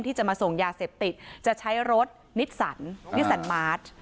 ที่จะมาส่งยาเสพติดจะใช้รถนิสสันนิสสันมาร์ช